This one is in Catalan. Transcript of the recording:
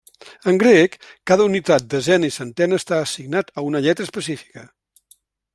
En grec, cada unitat, desena i centena està assignat a una lletra específica.